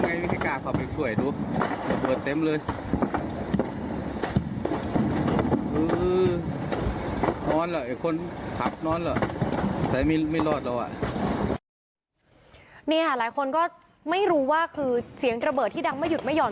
นี่ค่ะหลายคนก็ไม่รู้ว่าคือเสียงระเบิดที่ดังไม่หยุดไม่ห่อน